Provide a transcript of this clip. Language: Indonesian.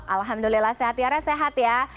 alhamdulillah sehat tiara sehat ya